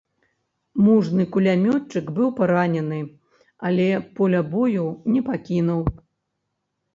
Мужны кулямётчык быў паранены, але поля бою не пакінуў.